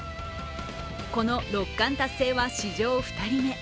この六冠達成は史上２人目。